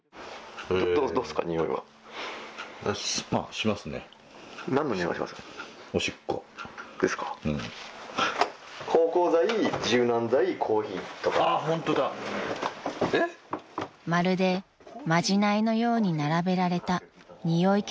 ［まるでまじないのように並べられた臭い消しの数々］